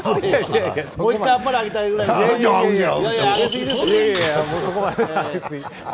もう一回あっぱれあげたいぐらいですよ。